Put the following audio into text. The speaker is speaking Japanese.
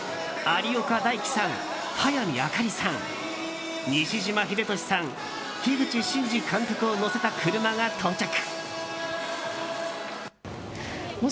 有岡大貴さん、早見あかりさん西島秀俊さん、樋口真嗣監督を乗せた車が到着。